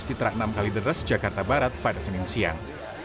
citra enam kali deras jakarta barat pada senin siang